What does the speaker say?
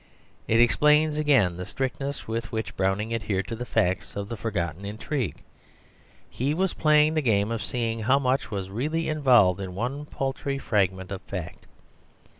It explains again the strictness with which Browning adhered to the facts of the forgotten intrigue. He was playing the game of seeing how much was really involved in one paltry fragment of fact.